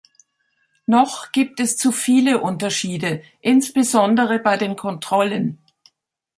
Noch gibt es zu viele Unterschiede, insbesondere bei den Kontrollen.